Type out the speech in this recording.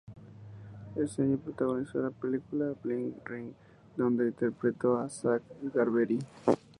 Ese año protagonizó la película "Bling Ring" donde interpretó a Zack Garvey.